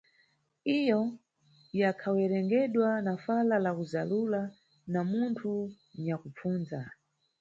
Iyo yakhawerengedwa na fala la kuzalula na munthu nyakupfunza.